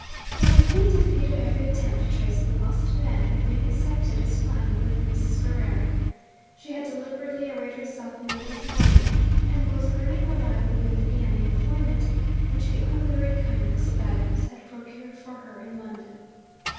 The complete defeat of every attempt to trace the lost man had been accepted as final by Mrs. Ferrari. She had deliberately arrayed herself in widow's mourning; and was earning her livelihood in an employment which the unwearied kindness of Agnes had procured for her in London.